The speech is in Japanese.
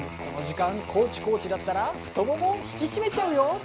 この時間知コーチだったら太ももを引き締めちゃうよ！